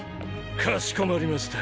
かしこまりました！